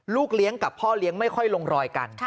เลี้ยงกับพ่อเลี้ยงไม่ค่อยลงรอยกัน